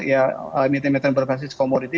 ya emiten emiten berbasis komoditi